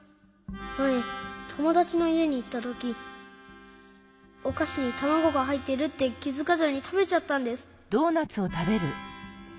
まえともだちのいえにいったときおかしにたまごがはいってるってきづかずにたべちゃったんです。